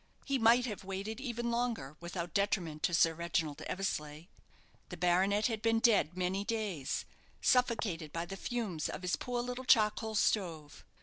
He might have waited even longer without detriment to Sir Reginald Eversleigh. The baronet had been dead many days, suffocated by the fumes of his poor little charcoal stove.